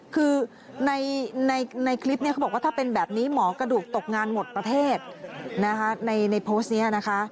คือในคลิปนี้เขาบอกว่าถ้าเป็นแบบนี้หมอกระดูกตกงานหมดประเทศนะคะในโพสต์นี้นะคะ